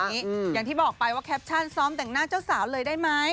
อย่างที่บอกไปว่าแคปชั่นซ้อมแต่งหน้าเจ้าสาวเลยได้ไหม